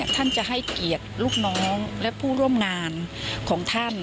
ท่านจะให้เกียรติลูกน้องและผู้ร่วมงานของท่าน